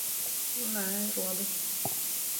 Nē, ir labi.